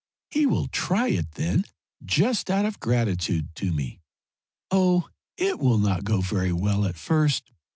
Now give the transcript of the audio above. He will try it then, just out of gratitude to me. Oh, it will not go very well at first.